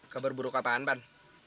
kabar buruk apaan pan